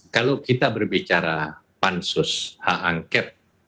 kalau kita berbicara pansus hak angket